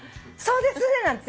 「そうですね」